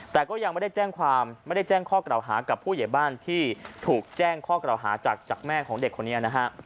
แต่ก็ยังไม่ได้แจ้งความไม่ได้แจ้งข้อกล่าวหากับผู้ใหญ่บ้านที่ถูกแจ้งข้อกล่าวหาจากแม่ของเด็กคนนี้นะฮะ